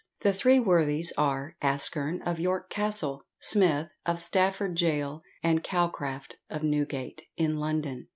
The three worthies are ASKERN, of York Castle, SMITH, of Stafford gaol, and CALCRAFT, of Newgate, in London.